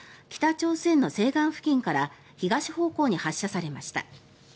北朝鮮の西岸付近から東方向に発射されました。